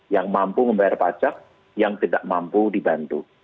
yang mampu membayar pajak yang tidak mampu dibantu